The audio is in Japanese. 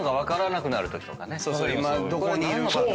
今どこにいるのかとか。